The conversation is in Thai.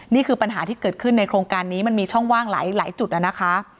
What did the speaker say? นี่คือปัญหาที่เกิดขึ้นในโครงการนี้มันมีช่องว่างหลายจุดนะคะ